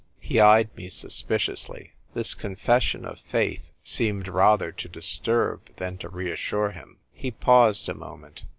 He eyed me suspiciously. This confession of faith seemed rather to disturb than to reassure him. He paused a moment.